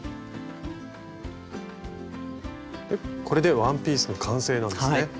これでワンピースの完成なんですね。